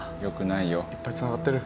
いっぱい繋がってる。